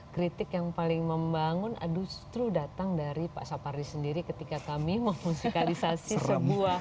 kritik yang paling membangun justru datang dari pak sapardi sendiri ketika kami memfungsikalisasi sebuah